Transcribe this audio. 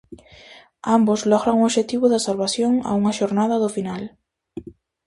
Ambos logran o obxectivo da salvación a unha xornada do final.